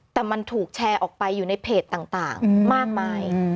แต่มันถูกแชร์ออกไปอยู่ในเพจต่างมากมาย